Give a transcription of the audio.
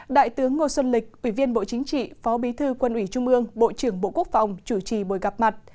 đại tướng ngô xuân lịch ủy viên bộ chính trị phó bí thư quân ủy trung ương bộ trưởng bộ quốc phòng chủ trì buổi gặp mặt